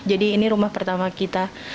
jadi ini rumah pertama kita